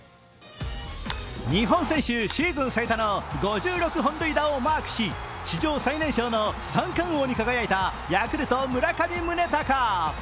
日本選手シーズン最多の５６本塁打をマークし史上最年少の三冠王に輝いたヤクルト・村上宗隆。